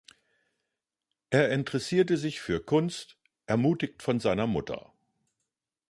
Er interessierte sich für Kunst, ermutigt von seiner Mutter.